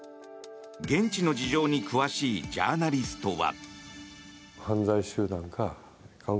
現地の事情に詳しいジャーナリストは。